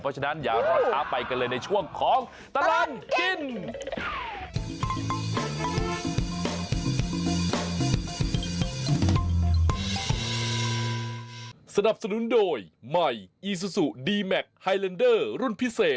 เพราะฉะนั้นอย่ารอช้าไปกันเลยในช่วงของตลอดกิน